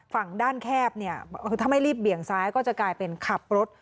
ฝั่งด้านแคบเนี่ยถ้าไม่รีบเบี่ยงซ้ายก็จะกลายเป็นขับรถ